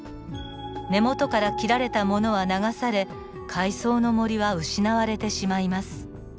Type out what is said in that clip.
根元から切られたものは流され海藻の森は失われてしまいます。